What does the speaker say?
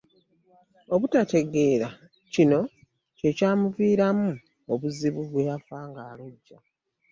Obutategeera kino kye kimuviiramu obuzibu bwe yafa ng’alojja.